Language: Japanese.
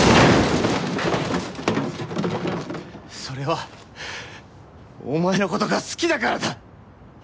それはお前の事が好きだからだ。